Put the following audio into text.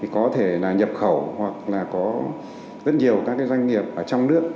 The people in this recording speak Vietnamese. có thể là nhập khẩu hoặc là có rất nhiều các doanh nghiệp ở trong nước